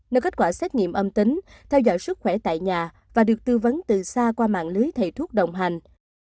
nếu kết quả xét nghiệm âm tính theo dõi sức khỏe tại nhà và được tư vấn từ xa qua mạng lưới thầy thuốc đồng hành